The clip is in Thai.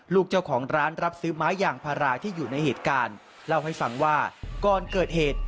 ลูกเจ้าของร้านรับซื้อไม้ยางพาราที่อยู่ในเหตุการณ์เล่าให้ฟังว่าก่อนเกิดเหตุ